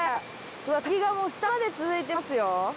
滝がもう下まで続いてますよ。